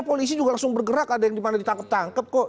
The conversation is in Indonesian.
polisi juga langsung bergerak ada yang dimana ditangkap tangkep kok